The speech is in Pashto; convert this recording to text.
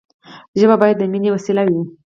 ژبه باید د ميني وسیله وي.